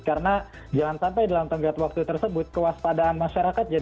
karena jangan sampai dalam tanggal